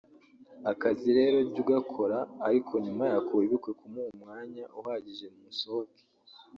Akazi rero jya ugakora ariko nyuma yako wibuke kumuha umwanya uhagije musohoke